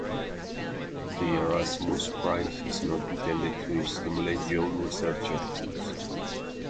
The Erasmus prize is not intended to stimulate young researchers.